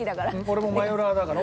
俺もマヨラーだから。